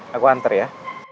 aku anter ya